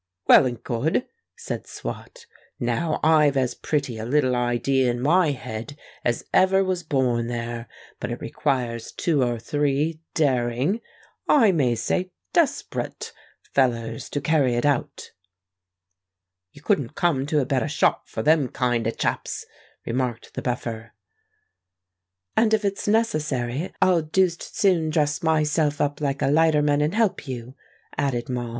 "Well and good," said Swot. "Now I've as pretty a little idea in my head as ever was born there; but it requires two or three daring—I may say desperate fellers to carry it out." "You couldn't come to a better shop for them kind of chaps," remarked the Buffer. "And if it's necessary, I'll deuced soon dress myself up like a lighterman and help you," added Moll.